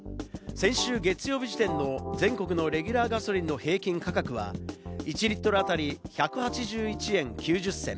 先週月曜日時点の全国のレギュラーガソリンの平均価格は１リットルあたり１８１円９０銭。